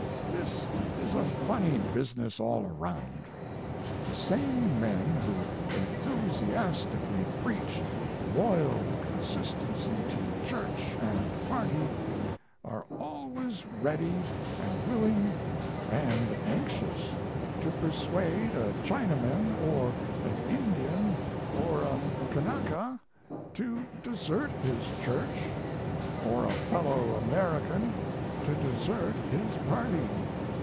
This is a funny business all around. The same men who enthusiastically preach loyal consistency to church and party are always ready and willing and anxious to persuade a Chinaman or an Indian or a Kanaka to desert his church or a fellow American to desert his party.